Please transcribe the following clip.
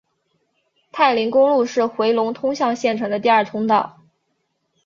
太临公路是回龙通向县城的第二通道。